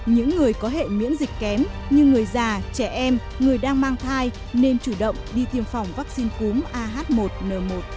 những người có hệ miễn dịch kém như người già trẻ em người đang mang thai nên chủ động đi tiêm phòng vaccine cúm ah một n một